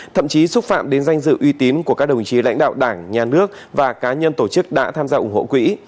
thậm chí xúc phạm đến danh dự uy tín của các đồng chí lãnh đạo đảng nhà nước và cá nhân tổ chức đã tham gia ủng hộ quỹ